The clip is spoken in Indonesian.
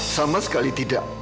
sama sekali tidak